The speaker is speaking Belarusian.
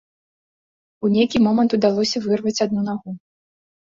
У нейкі момант удалося вырваць адну нагу.